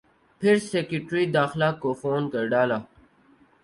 پھر سیکرٹری داخلہ کو فون کر ڈالا۔